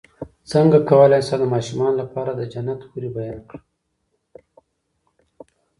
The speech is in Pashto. څنګه کولی شم د ماشومانو لپاره د جنت حورې بیان کړم